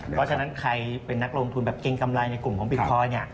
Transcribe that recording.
เพราะฉะนั้นใครเป็นนักลงทุนแบบเกรงกำไรในกลุ่มของบิตคอยน์